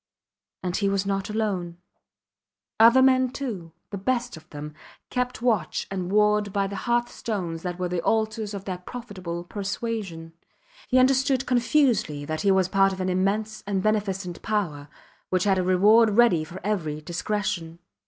And he was not alone. Other men, too the best of them kept watch and ward by the hearthstones that were the altars of that profitable persuasion. He understood confusedly that he was part of an immense and beneficent power, which had a reward ready for every discretion.